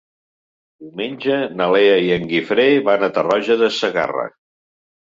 Diumenge na Lea i en Guifré van a Tarroja de Segarra.